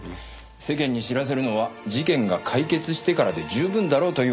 世間に知らせるのは事件が解決してからで十分だろうという判断だった。